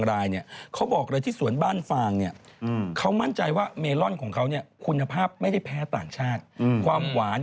เรารู้สึกว่าของญี่ปุ่นมันหวาน